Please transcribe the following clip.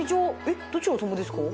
えっどちらさまですか？